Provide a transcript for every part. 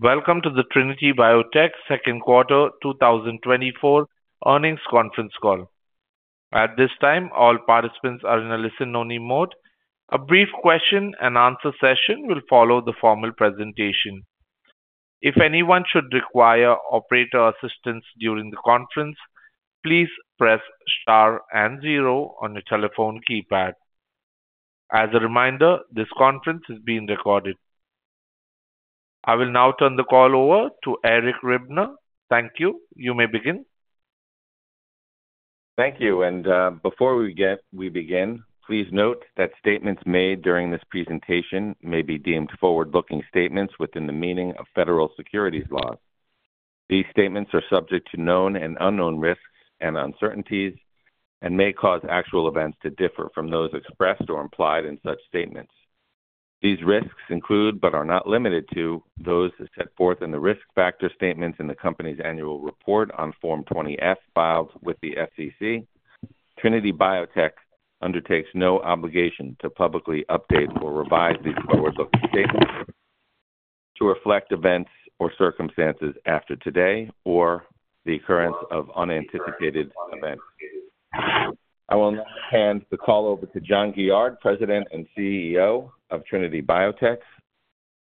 Welcome to the Trinity Biotech Q2 2024 earnings conference call. At this time, all participants are in a listen-only mode. A brief Q&A session will follow the formal presentation. If anyone should require operator assistance during the conference, please press star and zero on your telephone keypad. As a reminder, this conference is being recorded. I will now turn the call over to Eric Ribner. Thank you. You may begin. Thank you. Before we begin, please note that statements made during this presentation may be deemed forward-looking statements within the meaning of federal securities laws. These statements are subject to known and unknown risks and uncertainties and may cause actual events to differ from those expressed or implied in such statements. These risks include, but are not limited to, those set forth in the risk factor statements in the company's annual report on Form 20-F, filed with the SEC. Trinity Biotech undertakes no obligation to publicly update or revise these forward-looking statements to reflect events or circumstances after today or the occurrence of unanticipated events. I will now hand the call over to John Gillard, President and CEO of Trinity Biotech,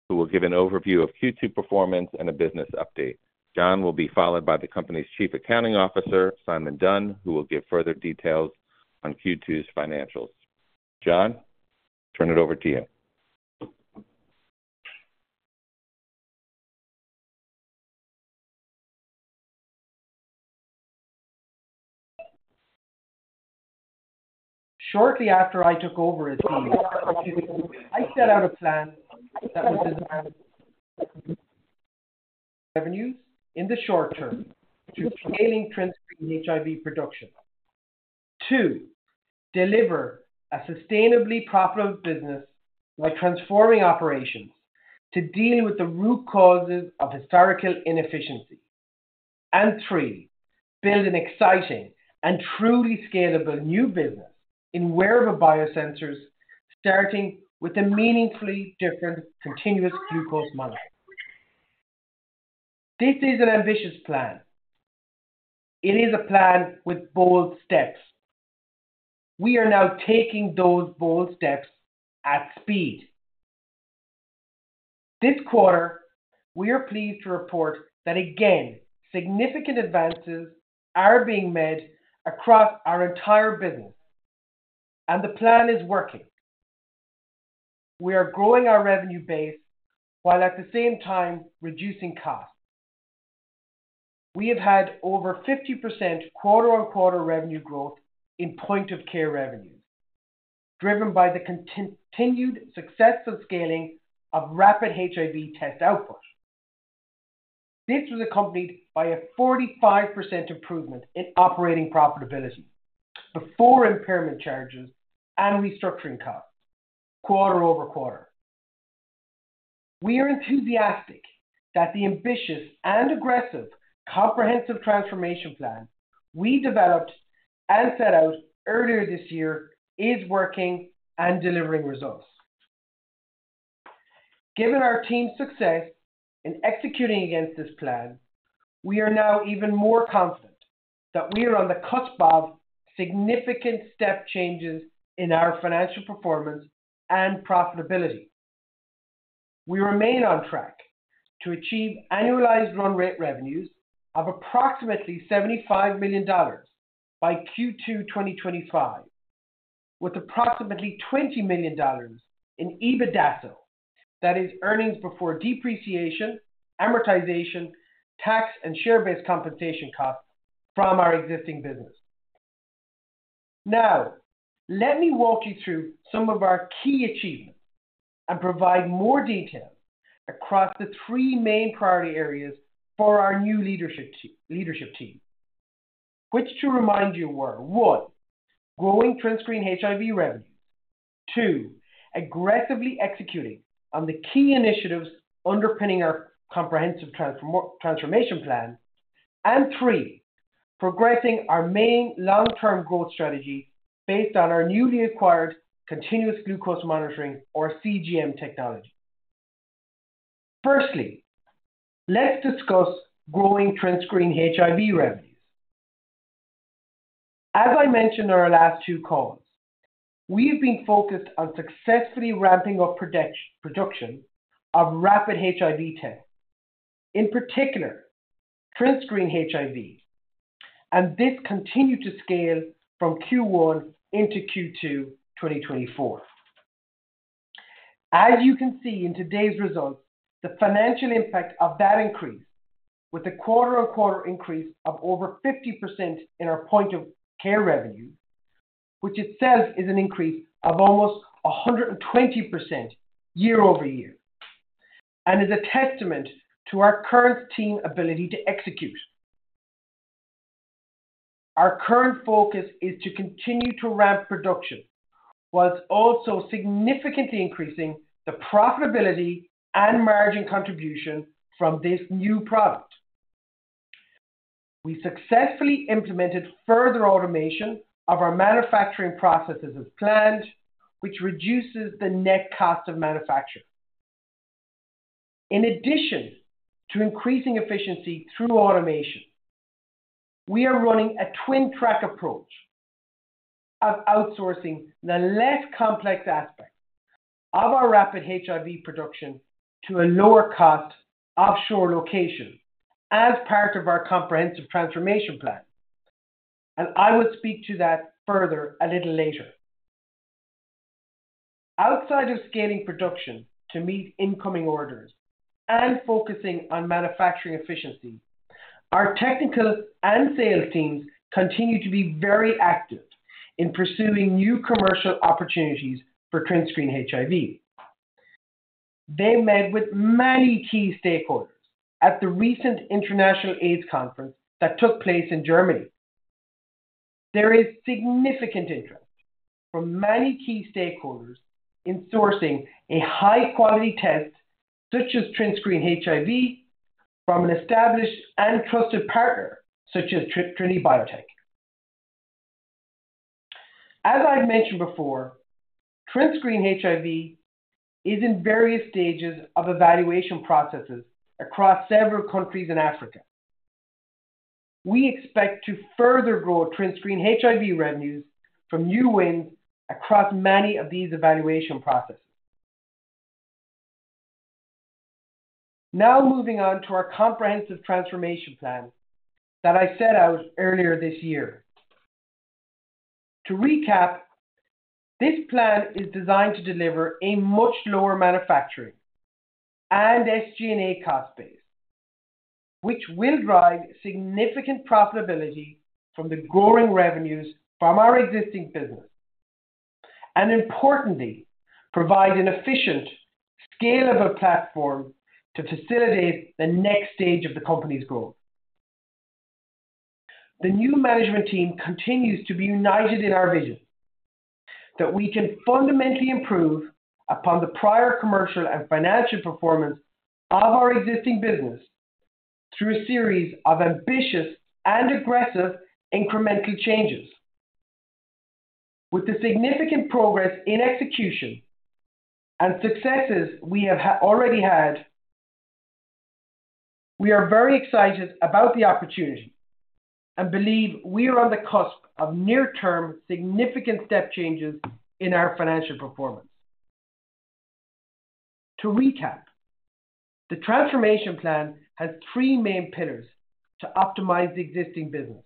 who will give an overview of Q2 performance and a business update. John will be followed by the company's Chief Accounting Officer, Simon Dunne, who will give further details on Q2's financials. John, turn it over to you. Shortly after I took over as CEO, I set out a plan that was designed. Revenues in the short term to scaling TrinScreen HIV production. Two, deliver a sustainably profitable business by transforming operations to deal with the root causes of historical inefficiency. And three, build an exciting and truly scalable new business in wearable biosensors, starting with a meaningfully different continuous glucose monitor. This is an ambitious plan. It is a plan with bold steps. We are now taking those bold steps at speed. This quarter, we are pleased to report that, again, significant advances are being made across our entire business, and the plan is working. We are growing our revenue base while at the same time reducing costs. We have had over 50% quarter-on-quarter revenue growth in Point of Care revenues, driven by the continued successful scaling of rapid HIV test output. This was accompanied by a 45% improvement in operating profitability before impairment charges and restructuring costs quarter-over-quarter. We are enthusiastic that the ambitious and aggressive comprehensive transformation plan we developed and set out earlier this year is working and delivering results. Given our team's success in executing against this plan, we are now even more confident that we are on the cusp of significant step changes in our financial performance and profitability. We remain on track to achieve annualized run rate revenues of approximately $75 million by Q2 2025, with approximately $20 million in EBITDA, that is, earnings before depreciation, amortization, tax, and share-based compensation costs from our existing business. Now, let me walk you through some of our key achievements and provide more details across the three main priority areas for our new leadership team. Which, to remind you, were: one, growing TrinScreen HIV revenues. Two, aggressively executing on the key initiatives underpinning our comprehensive transformation plan. And three, progressing our main long-term growth strategy based on our newly acquired continuous glucose monitoring or CGM technology. Firstly, let's discuss growing TrinScreen HIV revenues. As I mentioned on our last two calls, we have been focused on successfully ramping up production of rapid HIV tests, in particular, TrinScreen HIV, and this continued to scale from Q1 into Q2 2024. As you can see in today's results, the financial impact of that increase, with a quarter-on-quarter increase of over 50% in our point of care revenue, which itself is an increase of almost 120% year-over-year, and is a testament to our current team's ability to execute. Our current focus is to continue to ramp production, while also significantly increasing the profitability and margin contribution from this new product.... We successfully implemented further automation of our manufacturing processes as planned, which reduces the net cost of manufacturing. In addition to increasing efficiency through automation, we are running a twin track approach of outsourcing the less complex aspects of our rapid HIV production to a lower cost offshore location as part of our comprehensive transformation plan, and I will speak to that further a little later. Outside of scaling production to meet incoming orders and focusing on manufacturing efficiency, our technical and sales teams continue to be very active in pursuing new commercial opportunities for TrinScreen HIV. They met with many key stakeholders at the recent International AIDS Conference that took place in Germany. There is significant interest from many key stakeholders in sourcing a high quality test, such as TrinScreen HIV, from an established and trusted partner, such as Trinity Biotech. As I've mentioned before, TrinScreen HIV is in various stages of evaluation processes across several countries in Africa. We expect to further grow TrinScreen HIV revenues from new wins across many of these evaluation processes. Now, moving on to our comprehensive transformation plan that I set out earlier this year. To recap, this plan is designed to deliver a much lower manufacturing and SG&A cost base, which will drive significant profitability from the growing revenues from our existing business, and importantly, provide an efficient, scalable platform to facilitate the next stage of the company's growth. The new management team continues to be united in our vision that we can fundamentally improve upon the prior commercial and financial performance of our existing business through a series of ambitious and aggressive incremental changes. With the significant progress in execution and successes we have already had, we are very excited about the opportunity and believe we are on the cusp of near-term, significant step changes in our financial performance. To recap, the transformation plan has three main pillars to optimize the existing business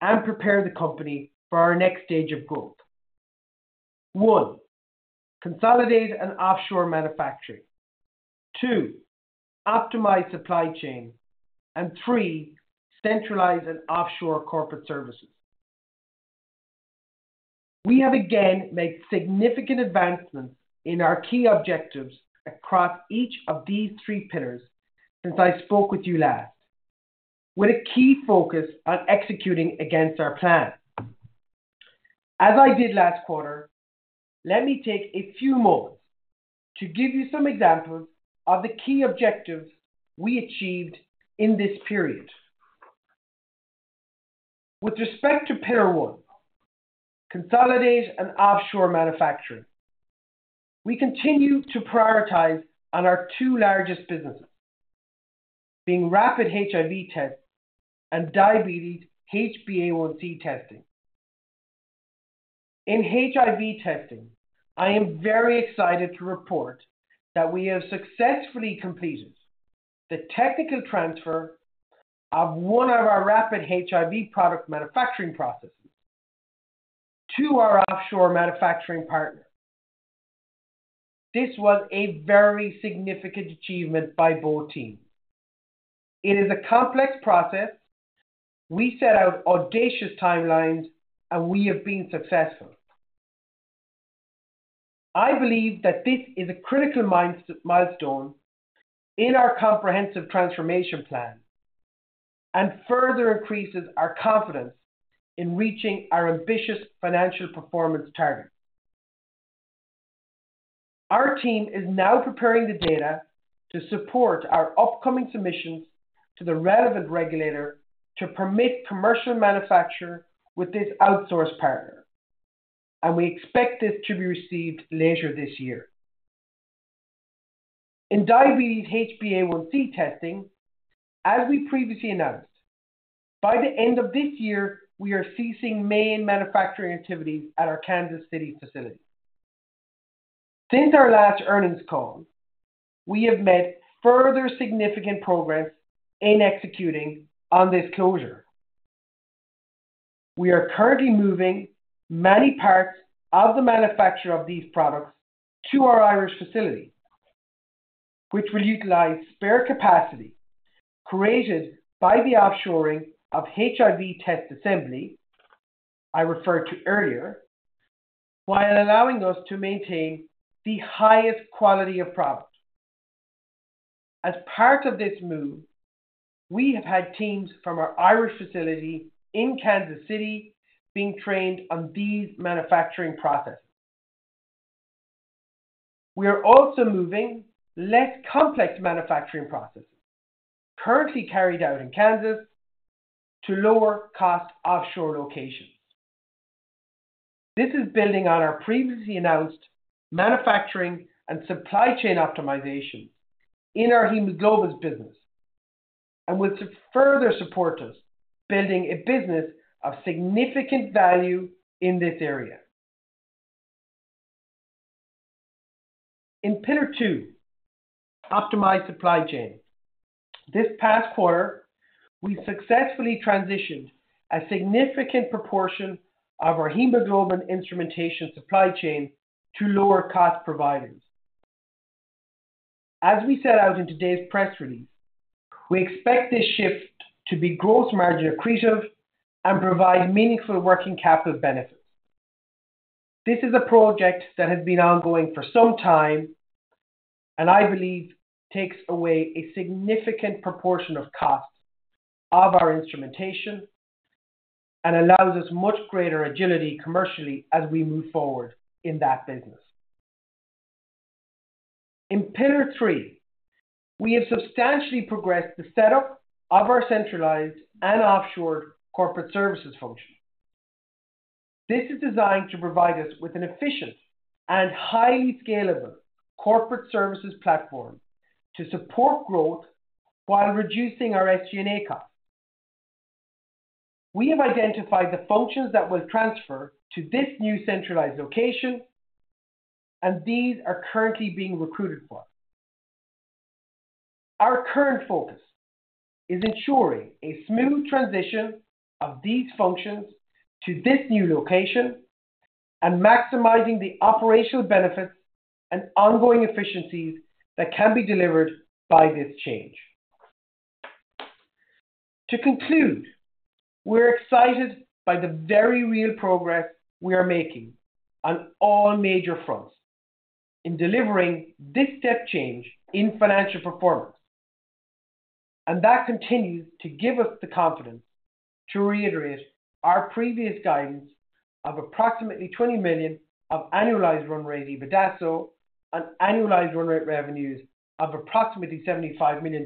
and prepare the company for our next stage of growth. One, consolidate and offshore manufacturing. Two, optimize supply chain. And three, centralize and offshore corporate services. We have again made significant advancements in our key objectives across each of these three pillars since I spoke with you last, with a key focus on executing against our plan. As I did last quarter, let me take a few moments to give you some examples of the key objectives we achieved in this period. With respect to pillar one, consolidate and offshore manufacturing, we continue to prioritize on our two largest businesses, being rapid HIV tests and diabetes HbA1c testing. In HIV testing, I am very excited to report that we have successfully completed the technical transfer of one of our rapid HIV product manufacturing processes to our offshore manufacturing partner. This was a very significant achievement by both teams. It is a complex process. We set out audacious timelines, and we have been successful. I believe that this is a critical milestone in our comprehensive transformation plan, and further increases our confidence in reaching our ambitious financial performance targets. Our team is now preparing the data to support our upcoming submissions to the relevant regulator to permit commercial manufacture with this outsource partner, and we expect this to be received later this year. In diabetes HbA1c testing, as we previously announced, by the end of this year, we are ceasing main manufacturing activities at our Kansas City facility. Since our last earnings call, we have made further significant progress in executing on this closure. We are currently moving many parts of the manufacture of these products to our Irish facility, which will utilize spare capacity created by the offshoring of HIV test assembly I referred to earlier, while allowing us to maintain the highest quality of product. As part of this move, we have had teams from our Irish facility in Kansas City being trained on these manufacturing processes. We are also moving less complex manufacturing processes, currently carried out in Kansas, to lower cost offshore locations. This is building on our previously announced manufacturing and supply chain optimization in our hemoglobin business, and will further support us building a business of significant value in this area. In pillar two, optimized supply chain. This past quarter, we successfully transitioned a significant proportion of our hemoglobin instrumentation supply chain to lower cost providers. As we set out in today's press release, we expect this shift to be gross margin accretive and provide meaningful working capital benefits. This is a project that has been ongoing for some time, and I believe takes away a significant proportion of costs of our instrumentation and allows us much greater agility commercially as we move forward in that business. In pillar three, we have substantially progressed the setup of our centralized and offshore corporate services function. This is designed to provide us with an efficient and highly scalable corporate services platform to support growth while reducing our SG&A costs. We have identified the functions that will transfer to this new centralized location, and these are currently being recruited for. Our current focus is ensuring a smooth transition of these functions to this new location and maximizing the operational benefits and ongoing efficiencies that can be delivered by this change. To conclude, we're excited by the very real progress we are making on all major fronts in delivering this step change in financial performance. That continues to give us the confidence to reiterate our previous guidance of approximately $20 million of annualized run-rate EBITDA, so and annualized run-rate revenues of approximately $75 million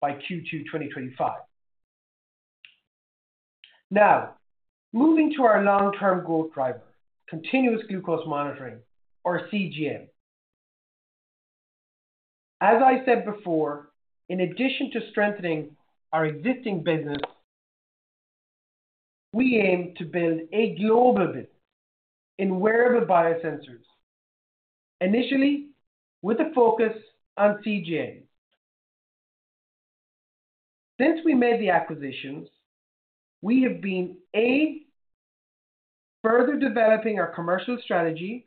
by Q2 2025. Now, moving to our long-term growth driver, continuous glucose monitoring, or CGM. As I said before, in addition to strengthening our existing business, we aim to build a global business in wearable biosensors, initially with a focus on CGM. Since we made the acquisitions, we have been, A, further developing our commercial strategy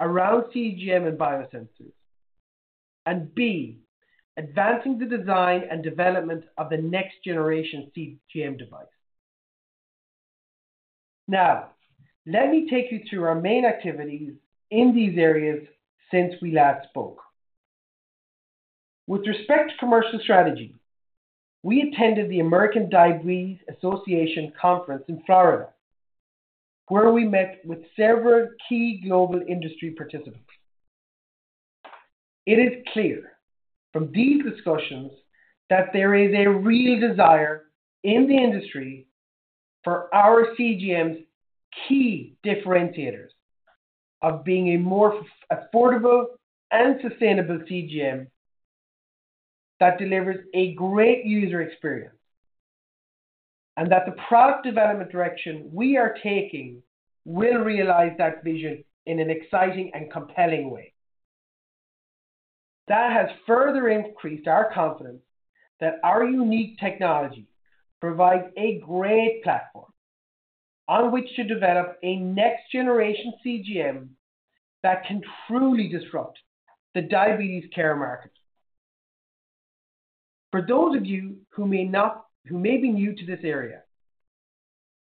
around CGM and biosensors, and B, advancing the design and development of the next generation CGM device. Now, let me take you through our main activities in these areas since we last spoke. With respect to commercial strategy, we attended the American Diabetes Association Conference in Florida, where we met with several key global industry participants. It is clear from these discussions that there is a real desire in the industry for our CGM's key differentiators of being a more affordable and sustainable CGM that delivers a great user experience, and that the product development direction we are taking will realize that vision in an exciting and compelling way. That has further increased our confidence that our unique technology provides a great platform on which to develop a next generation CGM that can truly disrupt the diabetes care market. For those of you who may be new to this area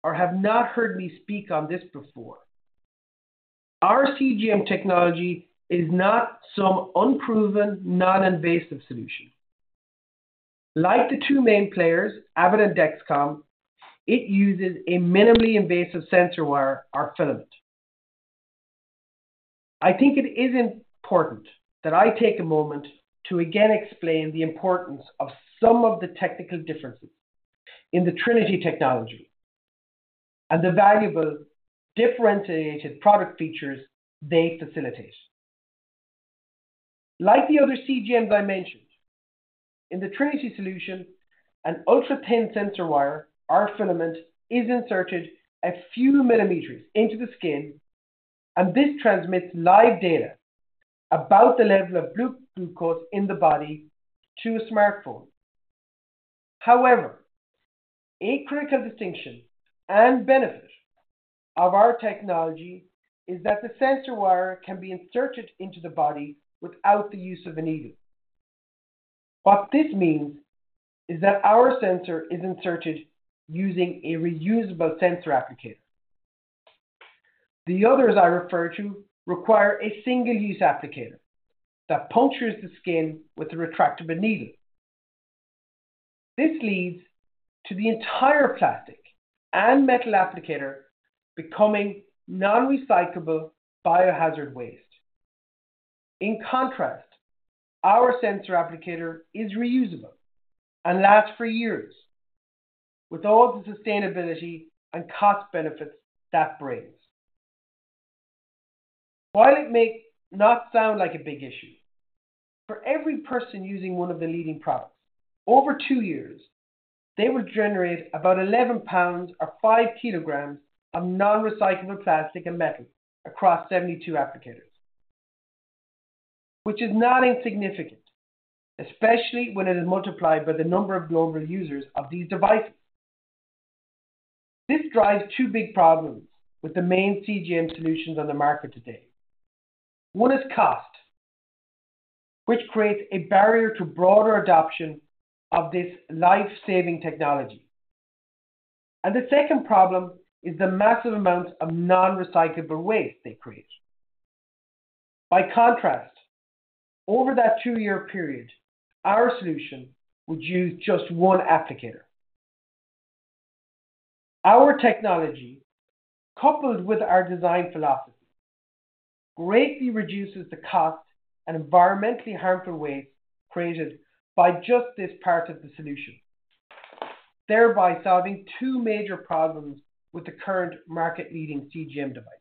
or have not heard me speak on this before, our CGM technology is not some unproven, non-invasive solution. Like the two main players, Abbott and Dexcom, it uses a minimally invasive sensor wire or filament. I think it is important that I take a moment to again explain the importance of some of the technical differences in the Trinity technology and the valuable differentiated product features they facilitate. Like the other CGMs I mentioned, in the Trinity solution, an ultra-thin sensor wire, or filament, is inserted a few millimeters into the skin, and this transmits live data about the level of glucose in the body to a smartphone. However, a critical distinction and benefit of our technology is that the sensor wire can be inserted into the body without the use of a needle. What this means is that our sensor is inserted using a reusable sensor applicator. The others I referred to require a single-use applicator that punctures the skin with a retractable needle. This leads to the entire plastic and metal applicator becoming non-recyclable biohazard waste. In contrast, our sensor applicator is reusable and lasts for years, with all the sustainability and cost benefits that brings. While it may not sound like a big issue, for every person using one of the leading products, over two years, they will generate about 11 pounds or 5 kilograms of non-recyclable plastic and metal across 72 applicators, which is not insignificant, especially when it is multiplied by the number of global users of these devices. This drives two big problems with the main CGM solutions on the market today. One is cost, which creates a barrier to broader adoption of this life-saving technology. And the second problem is the massive amounts of non-recyclable waste they create. By contrast, over that two-year period, our solution would use just one applicator. Our technology, coupled with our design philosophy, greatly reduces the cost and environmentally harmful waste created by just this part of the solution, thereby solving two major problems with the current market-leading CGM devices.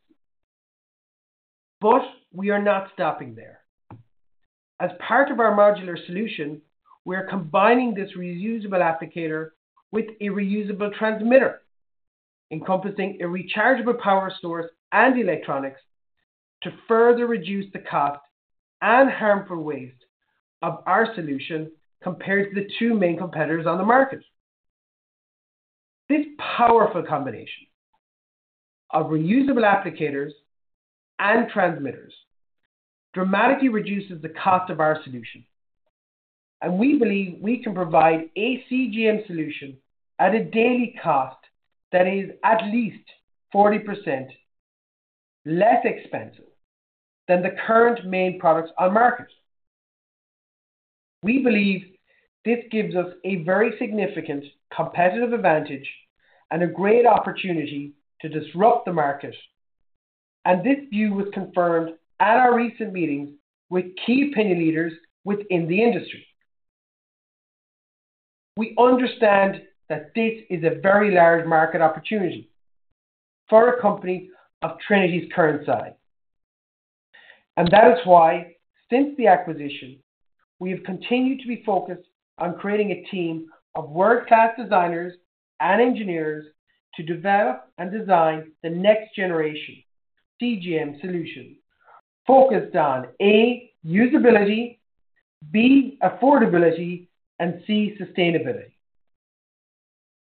But we are not stopping there. As part of our modular solution, we are combining this reusable applicator with a reusable transmitter, encompassing a rechargeable power source and electronics to further reduce the cost and harmful waste of our solution compared to the two main competitors on the market. This powerful combination of reusable applicators and transmitters dramatically reduces the cost of our solution, and we believe we can provide a CGM solution at a daily cost that is at least 40% less expensive than the current main products on market. We believe this gives us a very significant competitive advantage and a great opportunity to disrupt the market, and this view was confirmed at our recent meeting with key opinion leaders within the industry. We understand that this is a very large market opportunity for a company of Trinity's current size, and that is why, since the acquisition, we have continued to be focused on creating a team of world-class designers and engineers to develop and design the next generation CGM solution. Focused on, A, usability, B, affordability, and C, sustainability.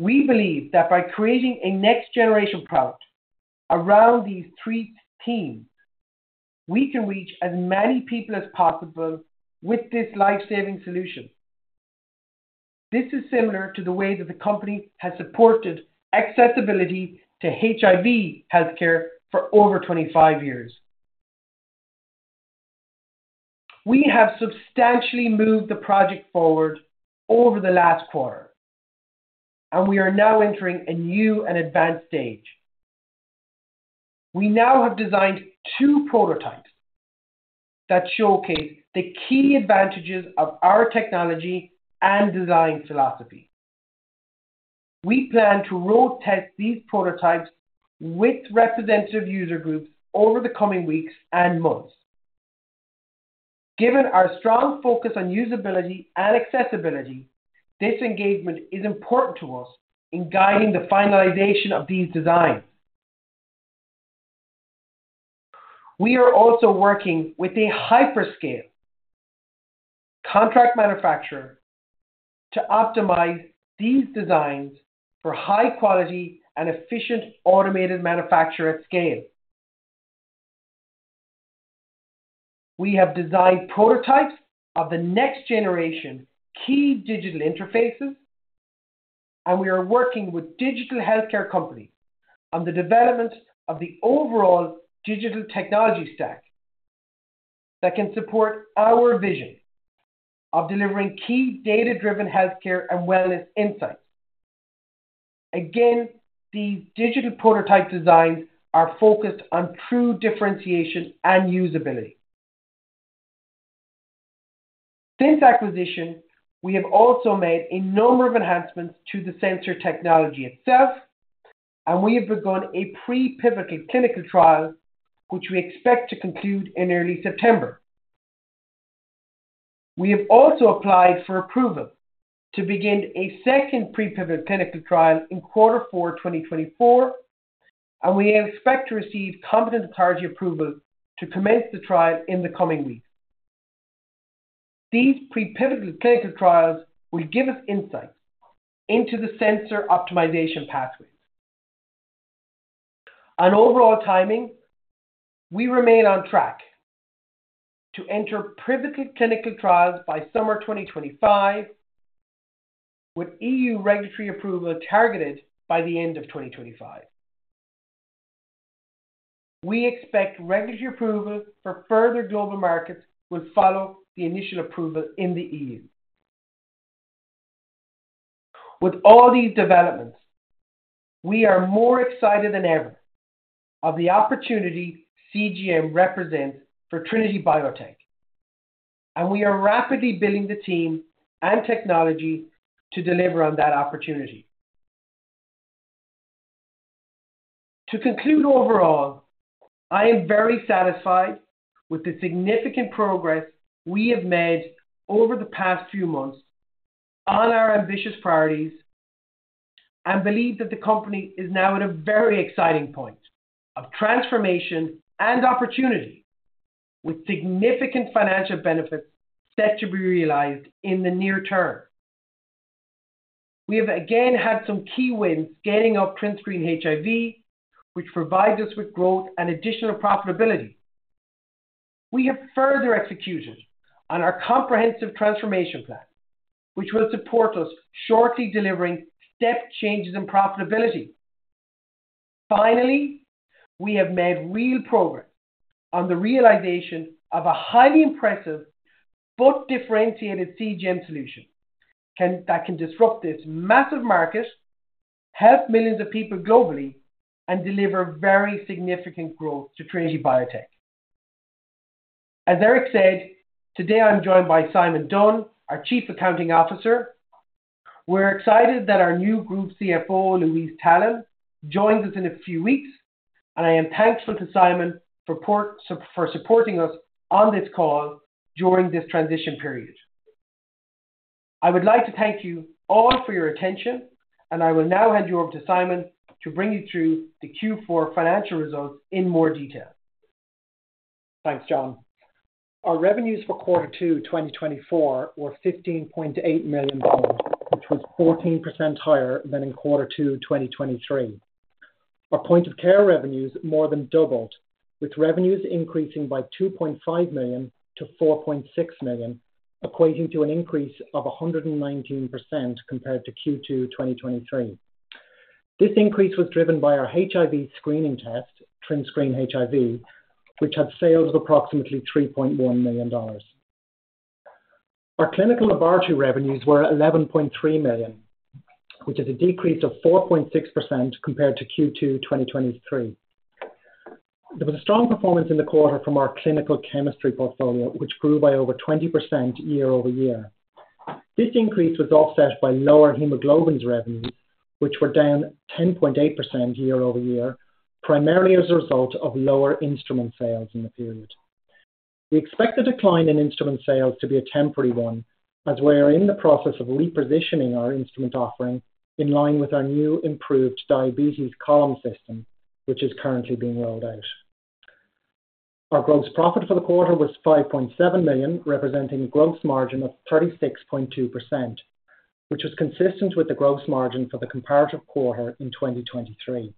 We believe that by creating a next-generation product around these three teams, we can reach as many people as possible with this life-saving solution. This is similar to the way that the company has supported accessibility to HIV healthcare for over 25 years. We have substantially moved the project forward over the last quarter, and we are now entering a new and advanced stage. We now have designed two prototypes that showcase the key advantages of our technology and design philosophy. We plan to road test these prototypes with representative user groups over the coming weeks and months. Given our strong focus on usability and accessibility, this engagement is important to us in guiding the finalization of these designs. We are also working with a hyperscale contract manufacturer to optimize these designs for high quality and efficient automated manufacture at scale. We have designed prototypes of the next generation key digital interfaces, and we are working with digital healthcare companies on the development of the overall digital technology stack that can support our vision of delivering key data-driven healthcare and wellness insights. Again, these digital prototype designs are focused on true differentiation and usability. Since acquisition, we have also made a number of enhancements to the sensor technology itself, and we have begun a pre-pivotal clinical trial, which we expect to conclude in early September. We have also applied for approval to begin a second pre-pivotal clinical trial in Q4, 2024, and we expect to receive competent authority approval to commence the trial in the coming weeks. These pre-pivotal clinical trials will give us insight into the sensor optimization pathways. On overall timing, we remain on track to enter pivotal clinical trials by summer 2025, with EU regulatory approval targeted by the end of 2025. We expect regulatory approval for further global markets will follow the initial approval in the EU. With all these developments, we are more excited than ever of the opportunity CGM represents for Trinity Biotech, and we are rapidly building the team and technology to deliver on that opportunity. To conclude, overall, I am very satisfied with the significant progress we have made over the past few months on our ambitious priorities, and believe that the company is now at a very exciting point of transformation and opportunity, with significant financial benefits set to be realized in the near term. We have again had some key wins scaling up TrinScreen HIV, which provides us with growth and additional profitability. We have further executed on our comprehensive transformation plan, which will support us shortly, delivering step changes in profitability. Finally, we have made real progress on the realization of a highly impressive but differentiated CGM solution that can disrupt this massive market, help millions of people globally, and deliver very significant growth to Trinity Biotech. As Eric said, today I'm joined by Simon Dunne, our Chief Accounting Officer. We're excited that our new Group CFO, Louise Tallon, joins us in a few weeks, and I am thankful to Simon for supporting us on this call during this transition period. I would like to thank you all for your attention, and I will now hand you over to Simon to bring you through the Q4 financial results in more detail. Thanks, John. Our revenues for Q2, 2024, were $15.8 million, which was 14% higher than in Q2, 2023. Our point of care revenues more than doubled, with revenues increasing by $2.5 million to 4.6 million, equating to an increase of 119% compared to Q2 2023. This increase was driven by our HIV screening test, TrinScreen HIV, which had sales of approximately $3.1 million. Our clinical laboratory revenues were $11.3 million, which is a decrease of 4.6% compared to Q2 2023. There was a strong performance in the quarter from our clinical chemistry portfolio, which grew by over 20% year-over-year. This increase was offset by lower hemoglobins revenue, which were down 10.8% year-over-year, primarily as a result of lower instrument sales in the period. We expect the decline in instrument sales to be a temporary one, as we are in the process of repositioning our instrument offering in line with our new, improved diabetes column system, which is currently being rolled out. Our gross profit for the quarter was $5.7 million, representing a gross margin of 36.2%, which is consistent with the gross margin for the comparative quarter in 2023.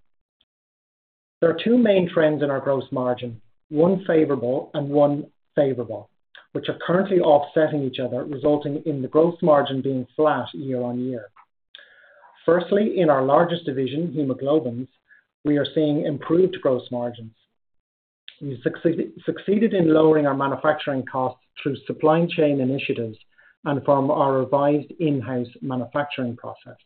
There are two main trends in our gross margin, one favorable and one favorable, which are currently offsetting each other, resulting in the gross margin being flat year-on-year. Firstly, in our largest division, hemoglobins, we are seeing improved gross margins. We succeeded in lowering our manufacturing costs through supply chain initiatives and from our revised in-house manufacturing process.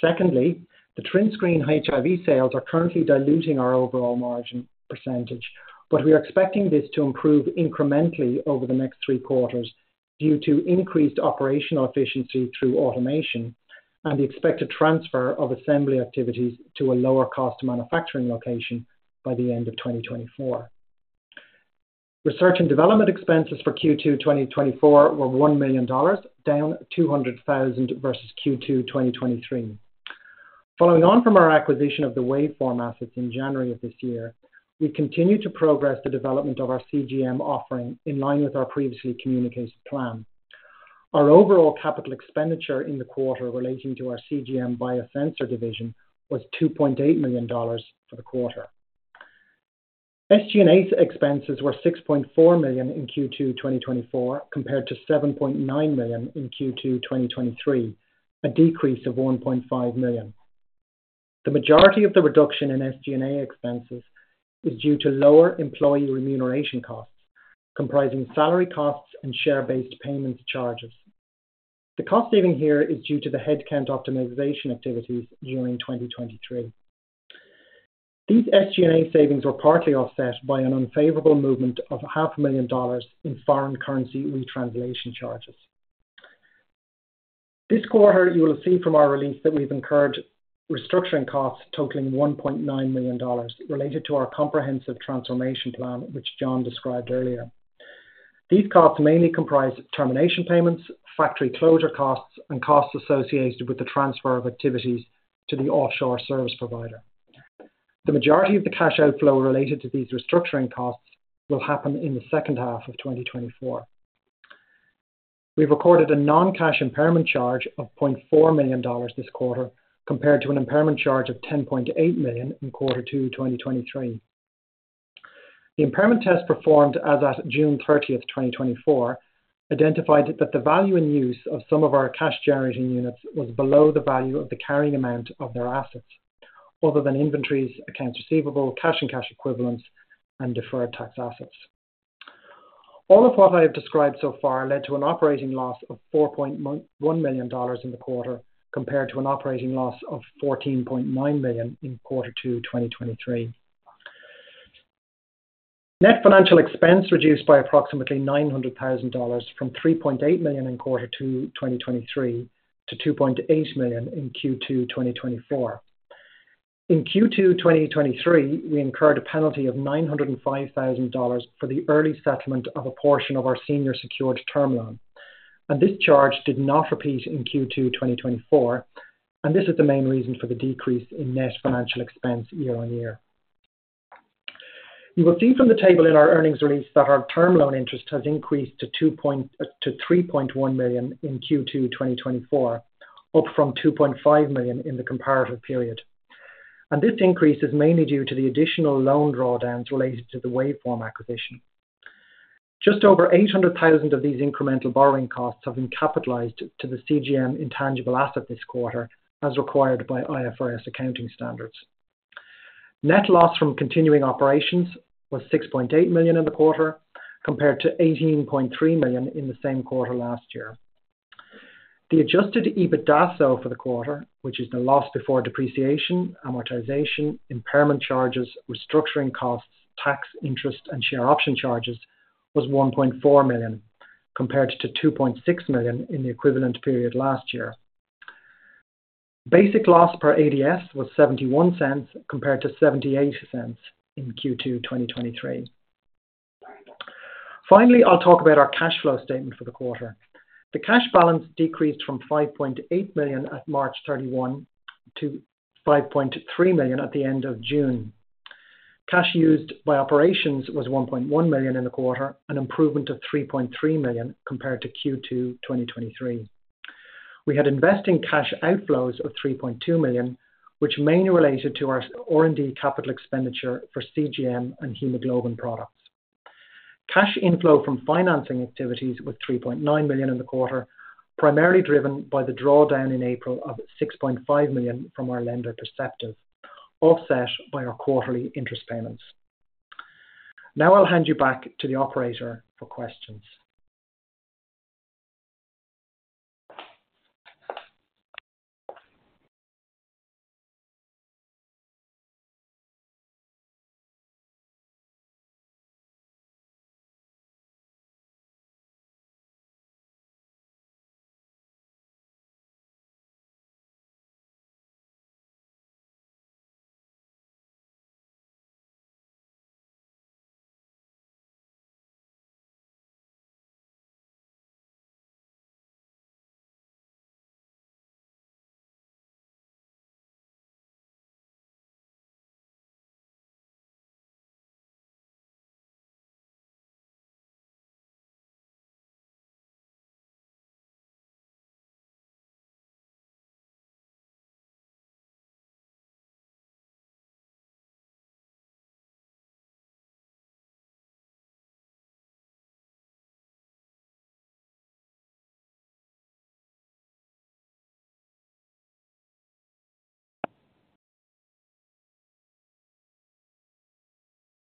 Secondly, the TrinScreen HIV sales are currently diluting our overall margin percentage, but we are expecting this to improve incrementally over the next three quarters due to increased operational efficiency through automation and the expected transfer of assembly activities to a lower cost manufacturing location by the end of 2024. Research and development expenses for Q2 2024 were $1 million, down $200,000 versus Q2 2023. Following on from our acquisition of the Waveform assets in January of this year, we continue to progress the development of our CGM offering in line with our previously communicated plan. Our overall capital expenditure in the quarter relating to our CGM biosensor division was $2.8 million for the quarter. SG&A expenses were $6.4 million in Q2 2024, compared to $7.9 million in Q2 2023, a decrease of $1.5 million. The majority of the reduction in SG&A expenses is due to lower employee remuneration costs, comprising salary costs and share-based payments charges. The cost saving here is due to the headcount optimization activities during 2023. These SG&A savings were partly offset by an unfavorable movement of $500,000 in foreign currency retranslation charges. This quarter, you will see from our release that we've incurred restructuring costs totaling $1.9 million related to our comprehensive transformation plan, which John described earlier. These costs mainly comprise termination payments, factory closure costs, and costs associated with the transfer of activities to the offshore service provider. The majority of the cash outflow related to these restructuring costs will happen in the second half of 2024. We've recorded a non-cash impairment charge of $0.4 million this quarter, compared to an impairment charge of $10.8 million in Q2, 2023. The impairment test performed as at June 30, 2024, identified that the value in use of some of our cash generating units was below the carrying amount of their assets, other than inventories, accounts receivable, cash and cash equivalents, and deferred tax assets. All of what I have described so far led to an operating loss of $4.1 million in the quarter, compared to an operating loss of $14.9 million in Q2, 2023. Net financial expense reduced by approximately $900,000 from $3.8 million in Q2 2023 to $2.8 million in Q2 2024. In Q2 2023, we incurred a penalty of $905,000 for the early settlement of a portion of our senior secured term loan, and this charge did not repeat in Q2 2024, and this is the main reason for the decrease in net financial expense year-on-year. You will see from the table in our earnings release that our term loan interest has increased to three point one million in Q2 2024, up from $2.5 million in the comparative period. This increase is mainly due to the additional loan drawdowns related to the Waveform acquisition. Just over $800,000 of these incremental borrowing costs have been capitalized to the CGM intangible asset this quarter, as required by IFRS accounting standards. Net loss from continuing operations was $6.8 million in the quarter, compared to $18.3 million in the same quarter last year. The Adjusted EBITDA, so for the quarter, which is the loss before depreciation, amortization, impairment charges, restructuring costs, tax, interest, and share option charges, was $1.4 million, compared to $2.6 million in the equivalent period last year. Basic loss per ADS was $0.71, compared to $0.78 in Q2 2023. Finally, I'll talk about our cash flow statement for the quarter. The cash balance decreased from $5.8 million at March 31 to $5.3 million at the end of June. Cash used by operations was $1.1 million in the quarter, an improvement of $3.3 million compared to Q2 2023. We had investing cash outflows of $3.2 million, which mainly related to our R&D capital expenditure for CGM and hemoglobin products. Cash inflow from financing activities was $3.9 million in the quarter, primarily driven by the drawdown in April of $6.5 million from our lender, Perceptive, offset by our quarterly interest payments. Now I'll hand you back to the operator for questions.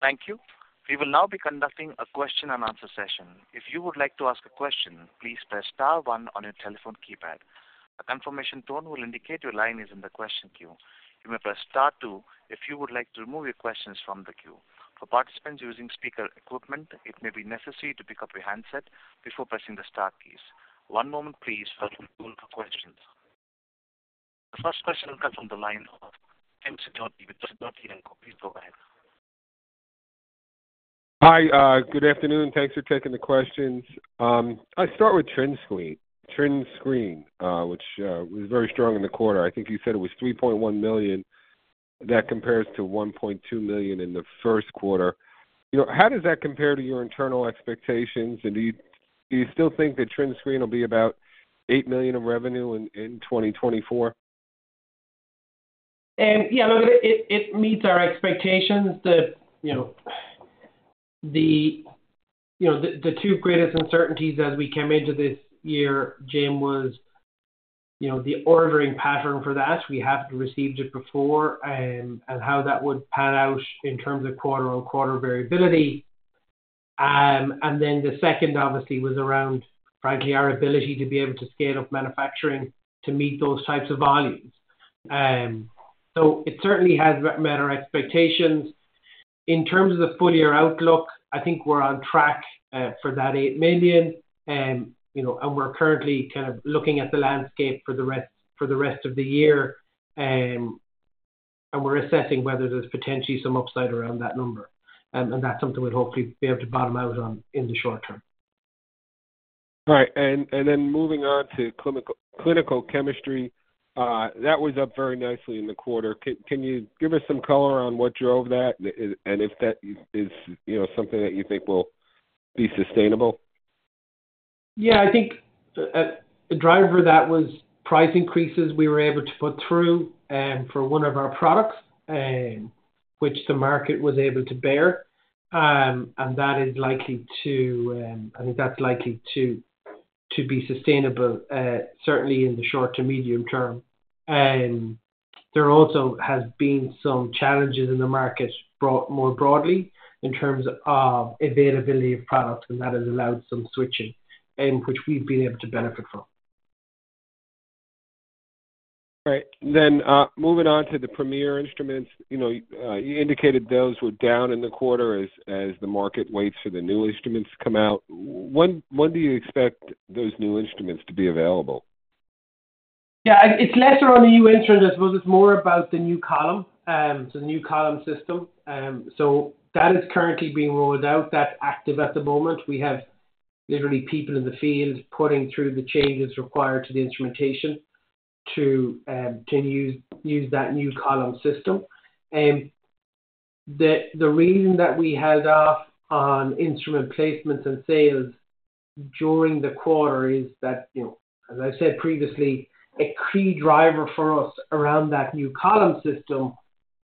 Thank you. We will now be conducting a Q&A session. If you would like to ask a question, please press star one on your telephone keypad. A confirmation tone will indicate your line is in the question queue. You may press star two if you would like to remove your questions from the queue. For participants using speaker equipment, it may be necessary to pick up your handset before pressing the star keys. One moment please, while we wait for questions. The first question comes from the line of Jim Sidoti with Sidoti & Co. Please go ahead. Hi, good afternoon. Thanks for taking the questions. I'll start with TrinScreen, which was very strong in the quarter. I think you said it was $3.1 million. That compares to $1.2 million in the Q1. You know, how does that compare to your internal expectations? And do you still think that TrinScreen will be about $8 million in revenue in 2024? Yeah, look, it meets our expectations that, you know, the two greatest uncertainties as we came into this year, Jim, was, you know, the ordering pattern for that. We haven't received it before, and how that would pan out in terms of quarter-on-quarter variability. And then the second obviously was around, frankly, our ability to be able to scale up manufacturing to meet those types of volumes. So it certainly has met our expectations. In terms of the full year outlook, I think we're on track for that $8 million. And, you know, we're currently kind of looking at the landscape for the rest of the year, and we're assessing whether there's potentially some upside around that number. That's something we'd hopefully be able to bottom out on in the short term. All right, and then moving on to Clinical Chemistry, that was up very nicely in the quarter. Can you give us some color on what drove that, and if that is, you know, something that you think will be sustainable?... Yeah, I think, the driver that was price increases we were able to put through, for one of our products, which the market was able to bear. And that is likely to, I think that's likely to, to be sustainable, certainly in the short to medium term. And there also has been some challenges in the market more broadly in terms of availability of product, and that has allowed some switching, and which we've been able to benefit from. Right. Then, moving on to the Premier instruments. You know, you indicated those were down in the quarter as the market waits for the new instruments to come out. When do you expect those new instruments to be available? Yeah, it's lesser on the new instrument. I suppose it's more about the new column, so the new column system. So that is currently being rolled out. That's active at the moment. We have literally people in the field putting through the changes required to the instrumentation to use that new column system. The reason that we held off on instrument placements and sales during the quarter is that, you know, as I said previously, a key driver for us around that new column system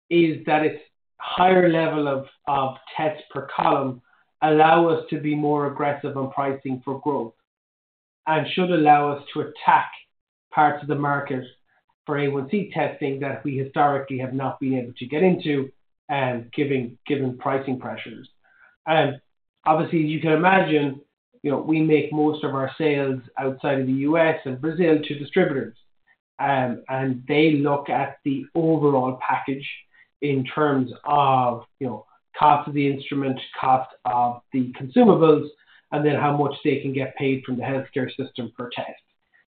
is that its higher level of tests per column allow us to be more aggressive on pricing for growth, and should allow us to attack parts of the market for A1C testing that we historically have not been able to get into, given pricing pressures. Obviously, you can imagine, you know, we make most of our sales outside of the U.S. and Brazil to distributors. And they look at the overall package in terms of, you know, cost of the instrument, cost of the consumables, and then how much they can get paid from the healthcare system per test.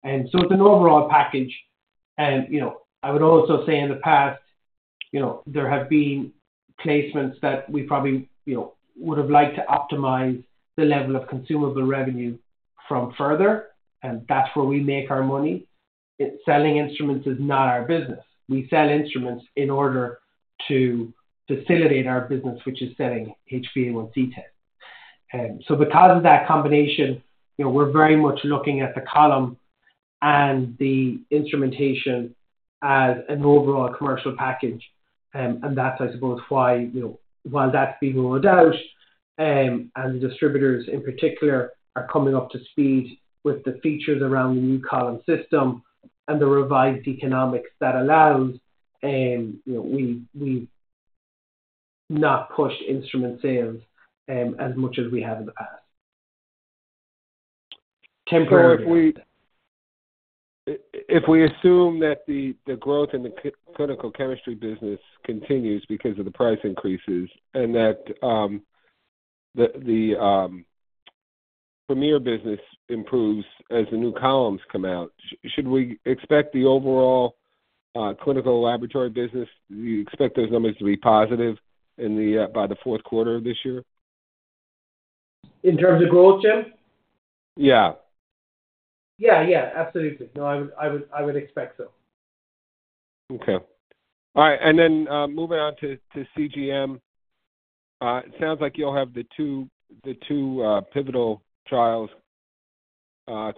And so it's an overall package. And, you know, I would also say in the past, you know, there have been placements that we probably, you know, would have liked to optimize the level of consumable revenue from further, and that's where we make our money. Selling instruments is not our business. We sell instruments in order to facilitate our business, which is selling HbA1c tests. So because of that combination, you know, we're very much looking at the column and the instrumentation as an overall commercial package. And that's, I suppose, why, you know, while that's being rolled out, and the distributors in particular are coming up to speed with the features around the new column system and the revised economics that allows, you know, we, we've not pushed instrument sales, as much as we have in the past, temporarily. So if we assume that the growth in the Clinical Chemistry business continues because of the price increases, and that the Premier business improves as the new columns come out, should we expect the overall clinical laboratory business, do you expect those numbers to be positive by the Q4 of this year? In terms of growth, Jim? Yeah. Yeah. Yeah, absolutely. No, I would expect so. Okay. All right, and then moving on to CGM. It sounds like you'll have the two pivotal trials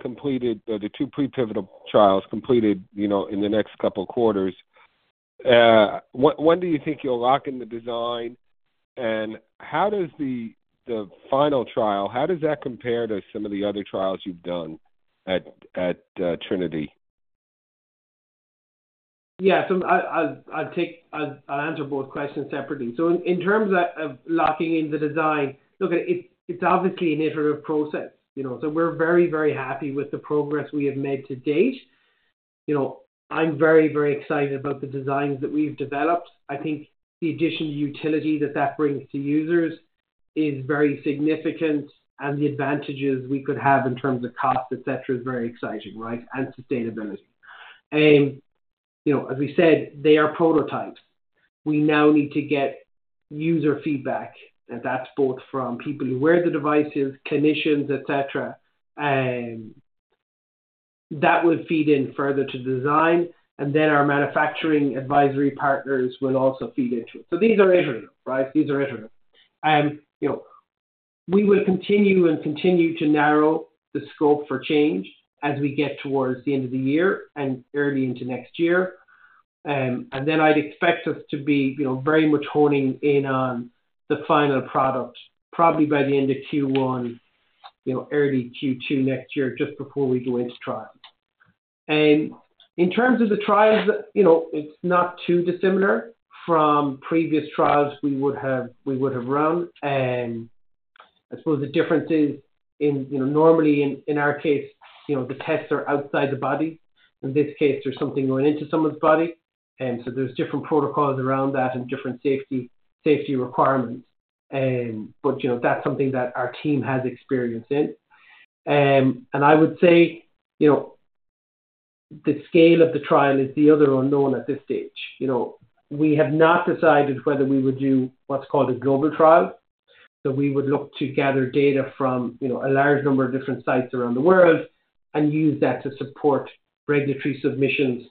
completed, or the two pre-pivotal trials completed, you know, in the next couple of quarters. When do you think you'll lock in the design? And how does the final trial, how does that compare to some of the other trials you've done at Trinity? Yeah. So I'll take, I'll answer both questions separately. So in terms of locking in the design, look, it's obviously an iterative process, you know. So we're very, very happy with the progress we have made to date. You know, I'm very, very excited about the designs that we've developed. I think the additional utility that that brings to users is very significant, and the advantages we could have in terms of cost, et cetera, is very exciting, right? And sustainability. You know, as we said, they are prototypes. We now need to get user feedback, and that's both from people who wear the devices, clinicians, et cetera. That would feed in further to design, and then our manufacturing advisory partners will also feed into it. So these are iterative, right? These are iterative. You know, we will continue to narrow the scope for change as we get towards the end of the year and early into next year. And then I'd expect us to be, you know, very much honing in on the final product, probably by the end of Q1, you know, early Q2 next year, just before we go into trials. And in terms of the trials, you know, it's not too dissimilar from previous trials we would have run. I suppose the difference is in, you know, normally in our case, you know, the tests are outside the body. In this case, there's something going into someone's body, so there's different protocols around that and different safety requirements. But, you know, that's something that our team has experience in. And I would say, you know, the scale of the trial is the other unknown at this stage. You know, we have not decided whether we would do what's called a global trial. So we would look to gather data from, you know, a large number of different sites around the world and use that to support regulatory submissions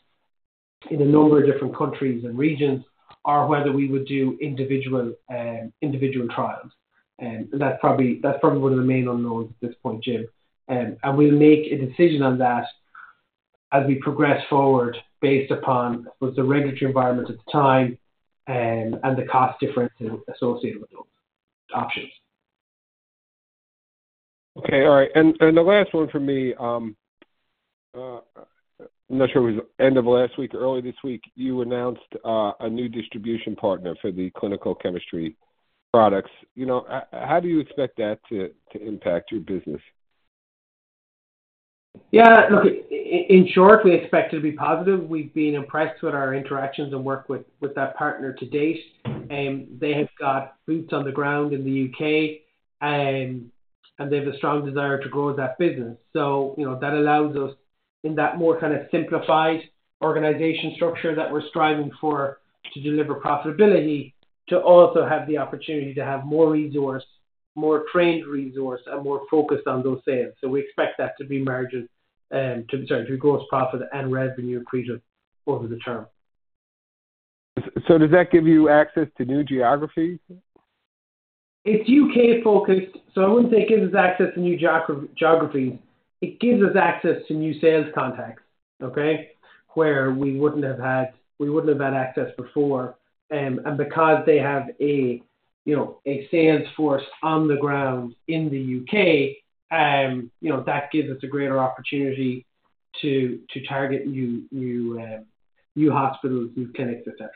in a number of different countries and regions, or whether we would do individual trials. And that's probably going to remain unknown at this point, Jim. And we'll make a decision on that as we progress forward, based upon what's the regulatory environment at the time and the cost differences associated with those options. Okay. All right. And the last one from me. I'm not sure it was end of last week or early this week. You announced a new distribution partner for the Clinical Chemistry products. You know, how do you expect that to impact your business? Yeah, look, in short, we expect it to be positive. We've been impressed with our interactions and work with that partner to date, and they have got boots on the ground in the U.K., and they have a strong desire to grow that business. So, you know, that allows us in that more kind of simplified organization structure that we're striving for, to deliver profitability, to also have the opportunity to have more resource, more trained resource, and more focused on those sales. So we expect that to be margin, Sorry, to gross profit and revenue accretion over the term. So does that give you access to new geographies? It's U.K.-focused, so I wouldn't say it gives us access to new geographies. It gives us access to new sales contacts, okay? Where we wouldn't have had, we wouldn't have had access before. And because they have a, you know, a sales force on the ground in the U.K., you know, that gives us a greater opportunity to target new hospitals, new clinics, et cetera.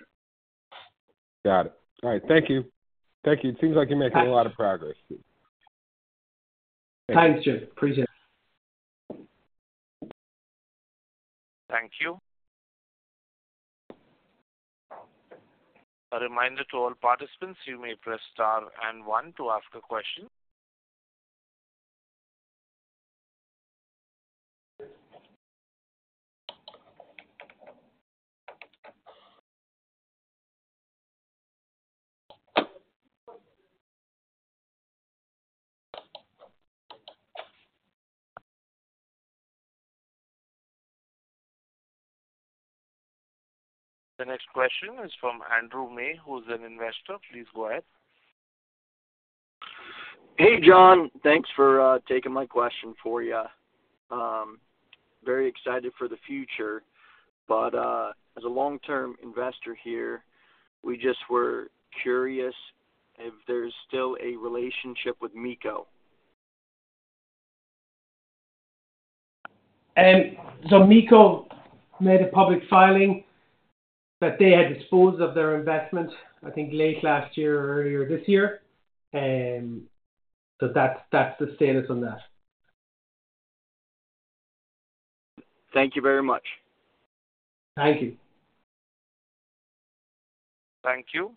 Got it. All right. Thank you. Thank you. It seems like you're making a lot of progress. Thanks, Jim. Appreciate it. Thank you. A reminder to all participants, you may press Star and One to ask a question. The next question is from Andrew May, who's an investor. Please go ahead. Hey, John. Thanks for taking my question for you. Very excited for the future, but, as a long-term investor here, we just were curious if there's still a relationship with MiCo. So MiCo made a public filing that they had disposed of their investment, I think, late last year or earlier this year. That's, that's the status on that. Thank you very much. Thank you. Thank you.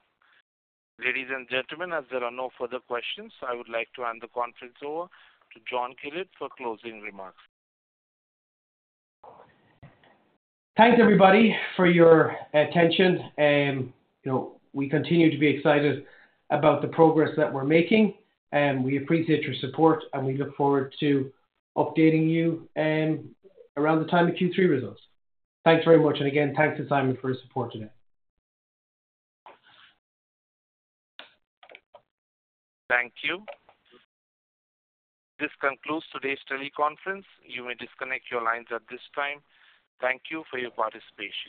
Ladies and gentlemen, as there are no further questions, I would like to hand the conference over to John Gillard for closing remarks. Thanks, everybody, for your attention, you know, we continue to be excited about the progress that we're making, and we appreciate your support, and we look forward to updating you, around the time of Q3 results. Thanks very much, and again, thanks to Simon for his support today. Thank you. This concludes today's teleconference. You may disconnect your lines at this time. Thank you for your participation.